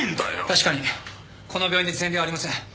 確かにこの病院で前例はありません。